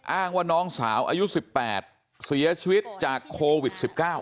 อ้างว่าน้องสาวอายุ๑๘เสียชีวิตจากโควิด๑๙